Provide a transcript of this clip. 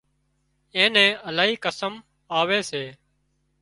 اين نين الاهي قسم آوي سي